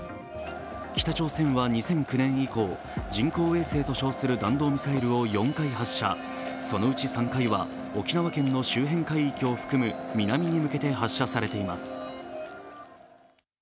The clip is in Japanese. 北朝鮮は２００９年以降、人工衛星と称する弾道ミサイルを２回発射、そのうち３回は沖縄県の周辺海域を含む南に向けて発射されています。